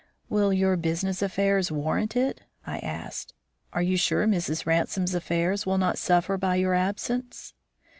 "Will your business affairs warrant it?" I asked. "Are you sure Mrs. Ransome's affairs will not suffer by your absence?"